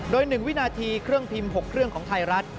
โดย๑วินาทีเครื่องพิมพ์๖เครื่องของไทยรัฐ